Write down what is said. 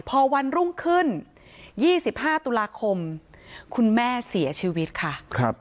พอวันรุ่งขึ้นยี่สิบห้าตุลาคมคุณแม่เสียชีวิตค่ะครับ